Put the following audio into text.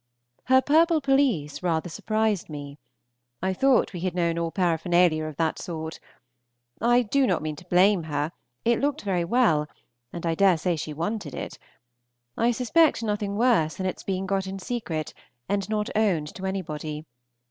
Her purple pelisse rather surprised me. I thought we had known all paraphernalia of that sort. I do not mean to blame her; it looked very well, and I dare say she wanted it. I suspect nothing worse than its being got in secret, and not owned to anybody.